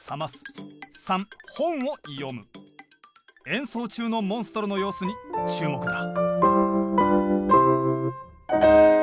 演奏中のモンストロの様子に注目だ！